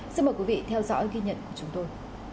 xin mời quý vị theo dõi ghi nhận của chúng tôi